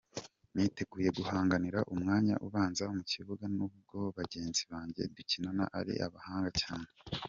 Niteguye guhanganira umwanya ubanza mu kibuga nubwo bagenzi banjye dukinana ari abahanga cyane.